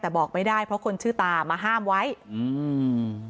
แต่บอกไม่ได้เพราะคนชื่อตามาห้ามไว้อืม